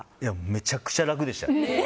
めちゃくちゃ楽でした。